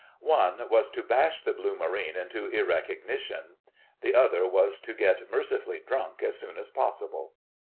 One was to bash the Blue Marine into irrecognition; the other was to get mercifully drunk as soon as possible.